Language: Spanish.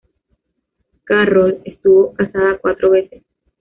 Carroll estuvo casada cuatro veces.